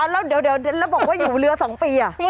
แล้วบอกว่าอยู่เรือสองปีอะ